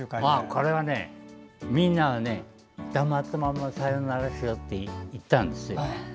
これはね、みんなは黙ったまんまさようならしようって言ったんですよ。